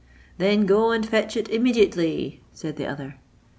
"Then go and fetch it immediately," said the other.